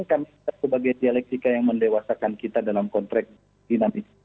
kita sebagai dialektika yang mendewasakan kita dalam kontrak dinamika